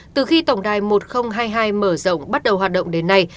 từ khi tổng đài một nghìn hai mươi hai mở rộng bắt đầu hoạt động đến nay